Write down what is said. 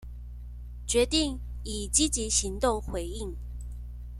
決定以積極行動回應